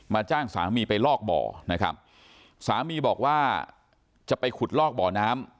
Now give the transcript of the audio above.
จ้างสามีไปลอกบ่อนะครับสามีบอกว่าจะไปขุดลอกบ่อน้ำ